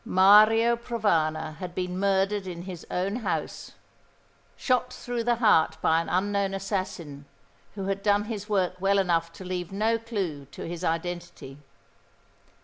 Mario Provana had been murdered in his own house shot through the heart by an unknown assassin, who had done his work well enough to leave no clue to his identity.